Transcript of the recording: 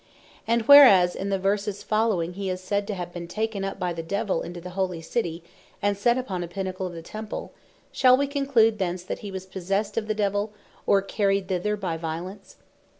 And whereas in the verses following, he is said "to have been taken up by the Devill into the Holy City, and set upon a pinnacle of the Temple," shall we conclude thence that hee was possessed of the Devill, or carryed thither by violence?